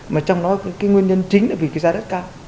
mà trong đó nguyên nhân chính là vì giá đất cao